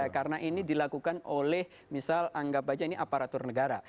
karena ini dilakukan oleh misal anggap saja ini aparatur negara